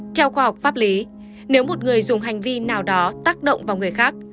theo khoa học pháp lý nếu một người dùng hành vi nào đó tác động vào người khác